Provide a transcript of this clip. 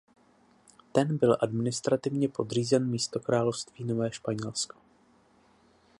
Ten byl administrativně podřízen místokrálovství Nové Španělsko.